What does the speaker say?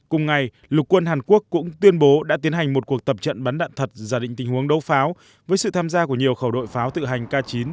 cùng ngày lục quân hàn quốc cũng tuyên bố đã tiến hành một cuộc tập trận bắn đạn thật giả định tình huống đấu pháo với sự tham gia của nhiều khẩu đội pháo tự hành k chín